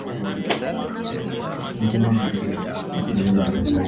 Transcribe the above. Wamasai walio wengi bado wameendelea na desturi hiyo